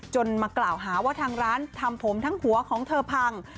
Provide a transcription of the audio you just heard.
มากล่าวหาว่าทางร้านทำผมทั้งหัวของเธอพัง